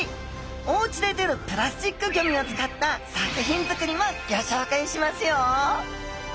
おうちで出るプラスチックゴミを使った作品作りもギョ紹介しますよ！